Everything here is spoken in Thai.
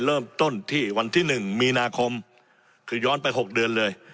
เริ่มต้นที่วันที่๑มีนาคมคือย้อนไป๖เดือนเลย